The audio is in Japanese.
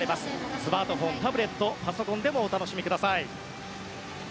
スマートフォン、タブレットパソコンでもお楽しみください。